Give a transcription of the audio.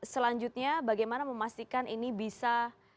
selanjutnya bagaimana memastikan ini bisa